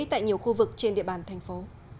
tại nhiều khu vực trên địa bàn thành phố